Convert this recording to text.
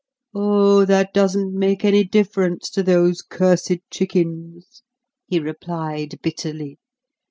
"Oh, that doesn't make any difference to those cursed chickens," he replied bitterly.